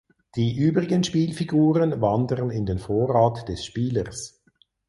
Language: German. Die übrigen Spielfiguren wandern in den Vorrat des Spielers.